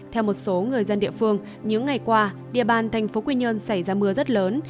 theo một số người dân địa phương những ngày qua địa bàn thành phố quy nhơn xảy ra mưa rất lớn